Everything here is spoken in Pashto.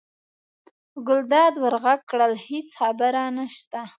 ګلداد ور غږ کړل: هېڅ خبره نشته.